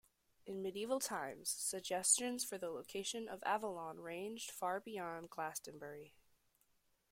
In medieval times suggestions for the location of Avalon ranged far beyond Glastonbury.